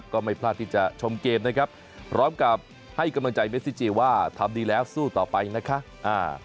ก็ไม่พลาดที่จะชมเกมนะครับพร้อมกับให้กำลังใจเมซิเจว่าทำดีแล้วสู้ต่อไปนะคะอ่า